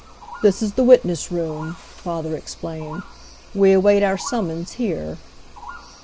"This is the witness room," father explained. "We await our summons here."